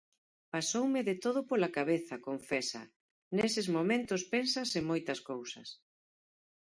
"Pasoume de todo pola cabeza", confesa, "neses momentos pensas en moitas cousas".